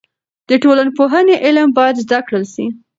د ټولنپوهنې علم باید زده کړل سي.